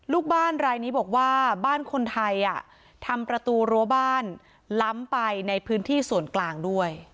ลูกบ้านรายนี้บอกว่าบ้านคนไทยทำประตูรั้วบ้านล้ำไปในพื้นที่ส่วนกลางด้วย